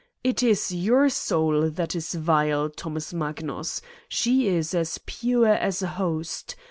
It is your soul that is vile, Thomas Magnus : she is as pure as a host.